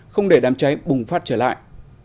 không để đám cháy bùng phát trở lại